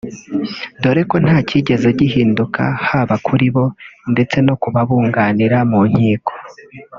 dore ko nta kigeze gihinduka haba kuri bo ndetse no ku babunganira mu nkiko